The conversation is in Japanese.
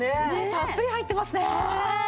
たっぷり入ってますね。